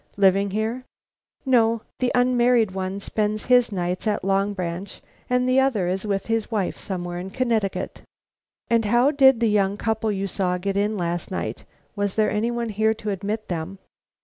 "Living here?" "No; the unmarried one spends his nights at Long Branch, and the other is with his wife somewhere in Connecticut." "How did the young couple you saw get in last night? Was there any one here to admit them?"